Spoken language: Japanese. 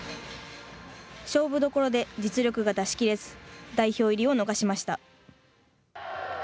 勝負どころで実力が出しきれず代表入りを逃しました。